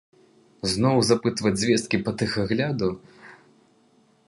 Зноў запытваць звесткі па тэхагляду?